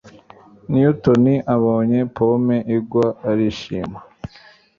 Newton abonye pome igwa arishima